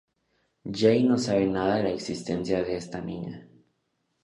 J no sabe nada de la existencia de esta niña.